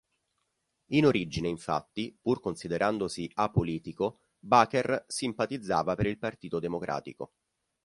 In origine, infatti, pur considerandosi apolitico, Baker simpatizzava per il Partito Democratico.